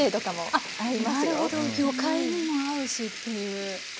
あっなるほど魚介にも合うしっていう。